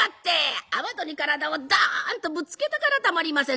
雨戸に体をドンとぶつけたからたまりません。